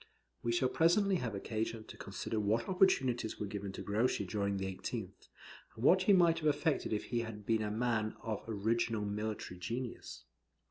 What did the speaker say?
We shall presently have occasion to consider what opportunities were given to Grouchy during the 18th, and what he might have effected if he had been a man of original military genius.